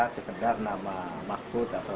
sekedar nama maksud atau